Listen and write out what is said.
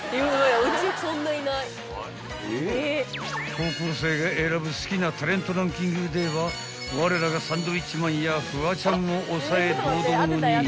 ［高校生が選ぶ好きなタレントランキングではわれらがサンドウィッチマンやフワちゃんを抑え堂々の２位］